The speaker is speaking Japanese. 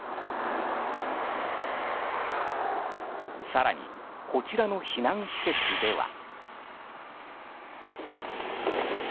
更にこちらの避難施設では。